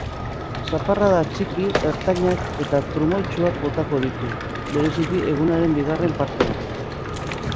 Zaparrada txiki-ertainak eta trumoitsuak botako ditu, bereziki egunaren bigarren partean.